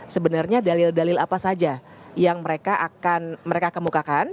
sebenarnya dalil dalil apa saja yang mereka akan mereka kemukakan